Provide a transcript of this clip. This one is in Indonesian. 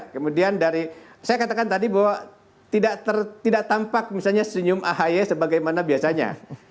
kemudian dari saya katakan tadi bahwa tidak tampak misalnya senyum ahy sebagaimana biasanya